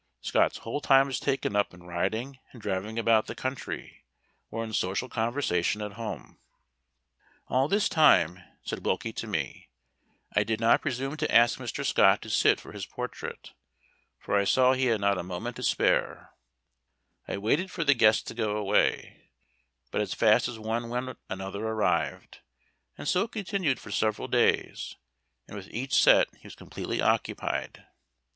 Scott's whole time was taken up in riding and driving about the country, or in social conversation at home. "All this time," said Wilkie to me, "I did not presume to ask Mr. Scott to sit for his portrait, for I saw he had not a moment to spare; I waited for the guests to go away, but as fast as one went another arrived, and so it continued for several days, and with each set he was completely occupied.